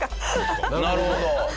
なるほど。